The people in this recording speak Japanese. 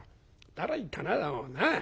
驚いたなもうな。